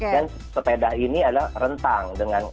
dan sepeda ini adalah rentang